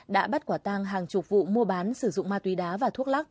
đã bắt quả tang hàng chục vụ mua bán sử dụng ma túy đá và thuốc lắc